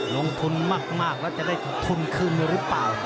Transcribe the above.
ลงทุนมากแล้วจะได้ทุนคืนหรือเปล่า